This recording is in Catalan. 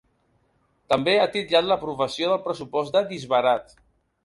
També ha titllat l’aprovació del pressupost de ‘disbarat’.